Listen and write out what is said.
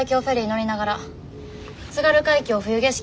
乗りながら「津軽海峡冬景色」